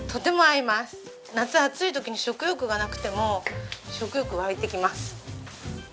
夏暑い時に食欲がなくても食欲わいてきます。